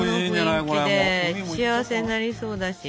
幸せになりそうだし。